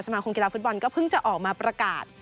มาคมกีฬาฟุตบอลก็เพิ่งจะออกมาประกาศ